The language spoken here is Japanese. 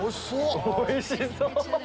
おいしそう！